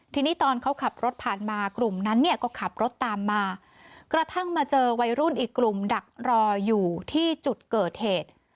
ทีนี้ตอนเขาขับรถผ่านมากลุ่มนั้นเนี่ยก็ขับรถตามมากระทั่งมาเจอวัยรุ่นอีกกลุ่มดักรออยู่ที่จุดเกิดเหตุ